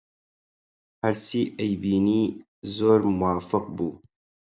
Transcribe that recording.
هەرچی ئەیبینی زۆر موافق بوو